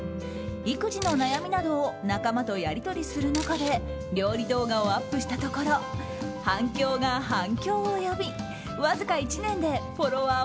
育児の悩みなどを仲間とやり取りする中で料理動画をアップしたところ反響が反響を呼び、わずか１年でフォロワー